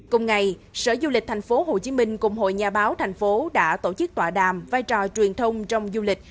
cùng ngày sở du lịch tp hcm cùng hội nhà báo thành phố đã tổ chức tọa đàm vai trò truyền thông trong du lịch